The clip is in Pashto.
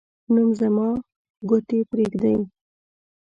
نوم زما ، گوتي پردۍ.